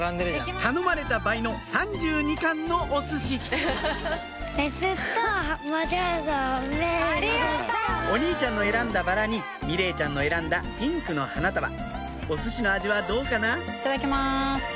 頼まれた倍の３２貫のおすしお兄ちゃんの選んだバラに美玲ちゃんの選んだピンクの花束おすしの味はどうかな？